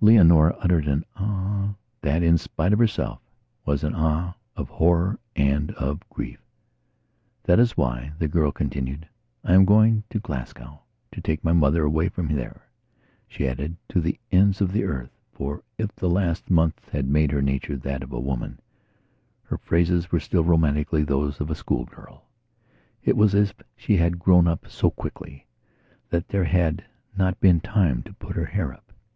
Leonora uttered an "Ah," that, in spite of herself, was an "Ah" of horror and of grief. "That is why," the girl continued, "I am going to Glasgowto take my mother away from there." She added, "To the ends of the earth," for, if the last months had made her nature that of a woman, her phrases were still romantically those of a schoolgirl. It was as if she had grown up so quickly that there had not been time to put her hair up.